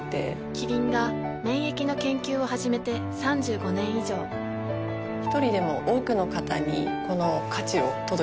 キリンが免疫の研究を始めて３５年以上一人でも多くの方にこの価値を届けていきたいと思っています。